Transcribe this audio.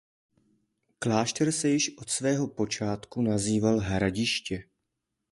Klášter se již od svého počátku nazýval Hradiště.